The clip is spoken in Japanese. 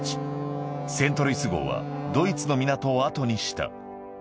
セントルイス号はドイツの港を後にした。